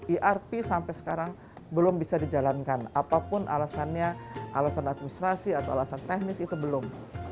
irp sampai sekarang belum bisa dijalankan apapun alasannya alasan administrasi atau alasan teknis itu belum